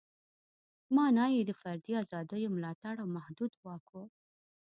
معنا یې د فردي ازادیو ملاتړ او محدود واک و.